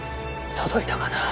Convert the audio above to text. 届いたかな。